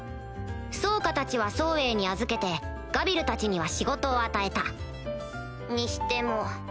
ソーカたちはソウエイに預けてガビルたちには仕事を与えたにしても。